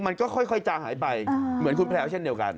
มันก็ค่อยจาหายไปเหมือนคุณแพลวเช่นเดียวกัน